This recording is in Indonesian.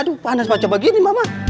aduh panas baca begini mama